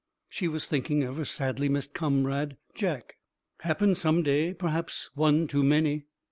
She was thinking of her sadly missed comrade, Jack. "Happen some day, perhaps, one too many."